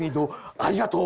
ありがとう。